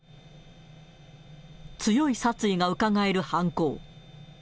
強い殺意がうかがえる犯行。